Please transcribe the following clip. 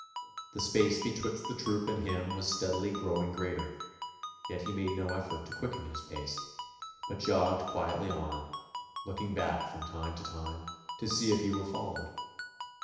The space betwixt the troop and him was steadily growing greater, yet he made no effort to quicken his pace, but jogged quietly on, looking back from time to time to see if he were followed.